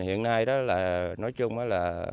hiện nay nói chung là